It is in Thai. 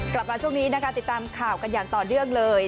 กลับมาช่วงนี้นะคะติดตามข่าวกันอย่างต่อเนื่องเลย